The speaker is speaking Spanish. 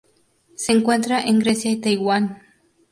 Se encuentra en Grecia y Taiwán.